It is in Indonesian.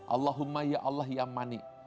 allahumma ya allah ya manik